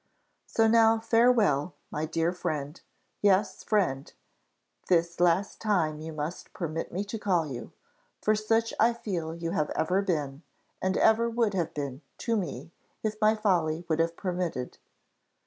"So now farewell, my dear friend yes, friend, this last time you must permit me to call you; for such I feel you have ever been, and ever would have been, to me, if my folly would have permitted.